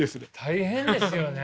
大変ですよね。